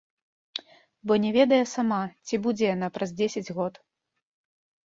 Бо не ведае сама, ці будзе яна праз дзесяць год.